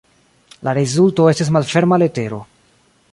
La rezulto estis "Malferma letero".